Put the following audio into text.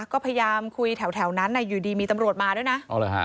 ก็พยายามคุยแถวแถวนั้นอ่ะอยู่ดีมีตำรวจมาด้วยน่ะอ๋อเหรอฮะ